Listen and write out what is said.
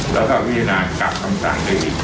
แล้วก็พิจารณากลับคำสั่งได้อีก